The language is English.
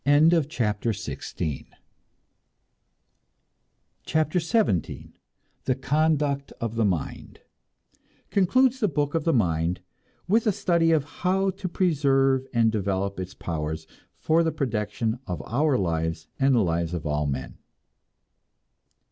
CHAPTER XVII THE CONDUCT OF THE MIND (Concludes the Book of the Mind with a study of how to preserve and develop its powers for the protection of our lives and the lives of all men.)